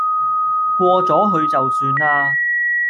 過咗去就算啦